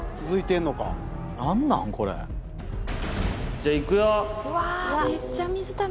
じゃあいくよ。